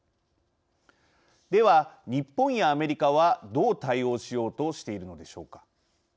では、日本やアメリカはどう対応しようとしているのでしょうか。